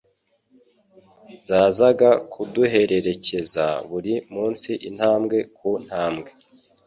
zazaga kuduherekeza buri munsi intambwe ku ntambwe.